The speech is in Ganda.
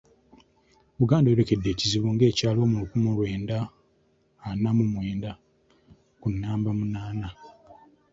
Buganda eyolekedde ekizibu nga ekyaliwo mu lukumi mu lwenda ana mu mwenda ku naamba munaana!